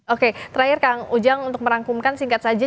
oke terakhir kang ujang untuk merangkumkan singkat saja